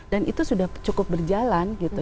dan itu sudah cukup berjalan gitu